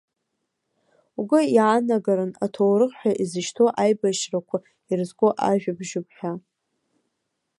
Угәы иаанагарын, аҭоурых ҳәа изышьҭоу аибашьрақәа ирызку ажәабжьуп ҳәа.